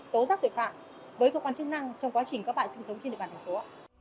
nó rất tuyệt vạng với cơ quan chức năng trong quá trình các bạn sinh sống trên địa bàn thành phố